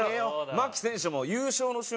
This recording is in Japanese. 牧選手も優勝の瞬間